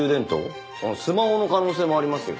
スマホの可能性もありますよ。